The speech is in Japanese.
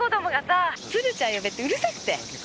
鶴ちゃん呼べってうるさくて。